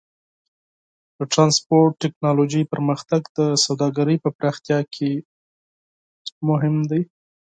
د ټرانسپورټ ټیکنالوجۍ پرمختګ د سوداګرۍ په پراختیا کې مهم دی.